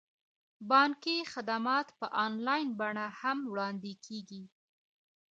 بانکي خدمات په انلاین بڼه هم وړاندې کیږي.